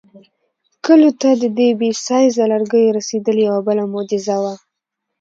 کلیو ته د دې بې سایزه لرګیو رسېدل یوه بله معجزه وه.